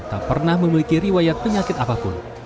tak pernah memiliki riwayat penyakit apapun